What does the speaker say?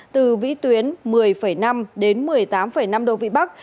từ vĩ tuyến một mươi năm đến một mươi tám năm độ vĩ bắc